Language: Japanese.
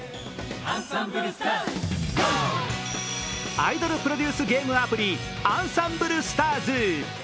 アイドルプロデュースゲームアプリ「あんさんぶるスターズ！！」。